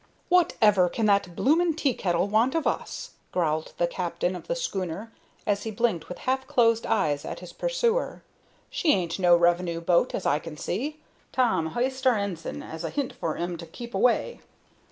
"Whatever can that bloomin' teakettle want of us?" growled the captain of the schooner as he blinked with half closed eyes at his pursuer. "She ain't no revenue boat, as I can see. Tom, h'ist our ensign as a hint for 'em to keep away."